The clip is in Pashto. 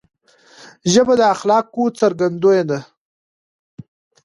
ژبه د اخلاقو څرګندونه ده